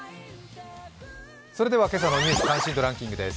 それでは今朝の「ニュース関心度ランキング」です。